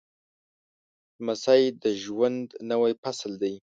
لمسی د ژوند نوی فصل دی.